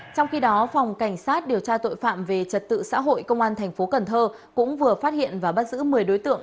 trong khi đó phòng cảnh sát điều tra tội phạm về trật tự xã hội công an tp cn cũng vừa phát hiện và bắt giữ một mươi đối tượng